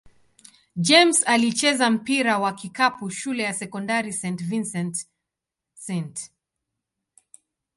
James alicheza mpira wa kikapu shule ya sekondari St. Vincent-St.